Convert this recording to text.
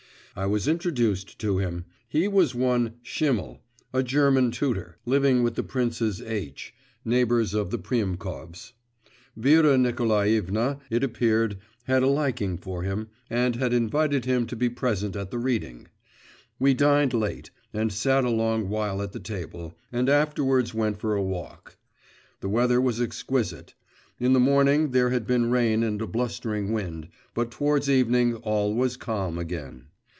I was introduced to him; he was one Schimmel, a German tutor, living with the princes H., neighbours of the Priemkovs. Vera Nikolaevna, it appeared, had a liking for him, and had invited him to be present at the reading. We dined late, and sat a long while at table, and afterwards went a walk. The weather was exquisite. In the morning there had been rain and a blustering wind, but towards evening all was calm again.